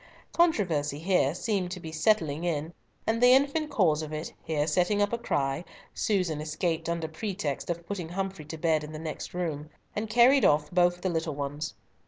Controversy here seemed to be setting in, and the infant cause of it here setting up a cry, Susan escaped under pretext of putting Humfrey to bed in the next room, and carried off both the little ones.